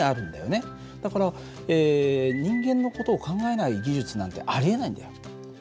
だから人間の事を考えない技術なんてありえないんだよ。